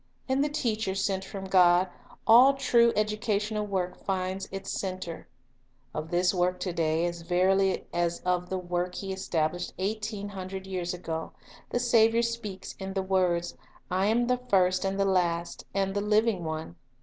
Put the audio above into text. In the Teacher sent from God, all true educational work finds its center. Of this work to day as verily as of the work. He established eighteen hundred years ago, the Saviour speaks in the words, — "I am the first and the last, and the Living; One."